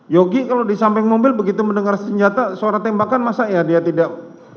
yogi kalau di samping mobil begitu mendengar senjata suara tembakan masa ya dia tidak